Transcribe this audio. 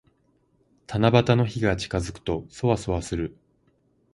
七夕の日が近づくと、そわそわする。